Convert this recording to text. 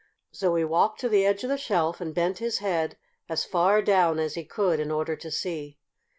So he walked to the edge of the shelf and bent his head as far down as he could in order to see.